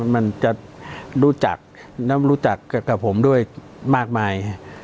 มันจะรู้จักแล้วรู้จักกับผมด้วยมากมาย